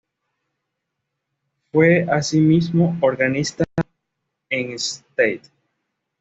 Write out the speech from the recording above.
Fue asimismo organista en St.